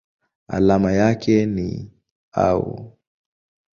Alama yake ni Au.